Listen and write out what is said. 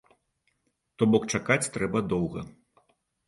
То бок чакаць трэба доўга.